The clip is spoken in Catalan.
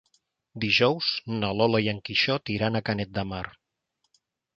Dijous na Lola i en Quixot iran a Canet de Mar.